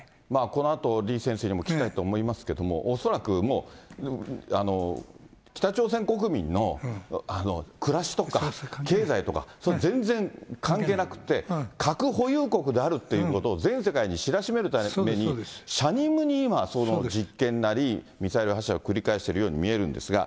このあと李先生にも聞きたいと思いますけども、恐らくもう、北朝鮮国民の暮らしとか経済とか、それ、全然関係なくって、核保有国であるということを全世界に知らしめるために、しゃにむに今、その実験なり、ミサイル発射を繰り返しているように見えるんですが。